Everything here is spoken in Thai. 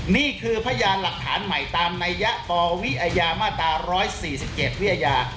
นี่คือพยานหลักฐานใหม่ตามนัยยะปวิอาญามาตรา๑๔๗วิทยา